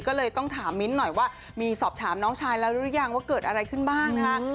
ก็เลยต้องถามมิ้นท์หน่อยว่ามีสอบถามน้องชายแล้วหรือยังว่าเกิดอะไรขึ้นบ้างนะคะ